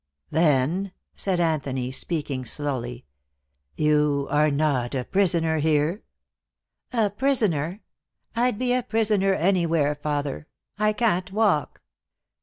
"Then," said Anthony, speaking slowly, "you are not a prisoner here?" "A prisoner? I'd be a prisoner anywhere, father. I can't walk."